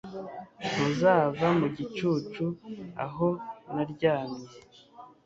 Ntuzava mu gicucu aho naryamye